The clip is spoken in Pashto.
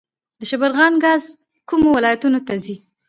د شبرغان ګاز کومو ولایتونو ته ځي؟